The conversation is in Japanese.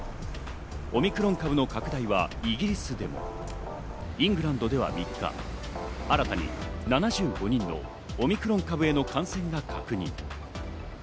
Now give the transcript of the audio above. オミクロン株の拡大はイギリスでもイングランドでは３日、新たに７５人のオミクロン株への感染が確認。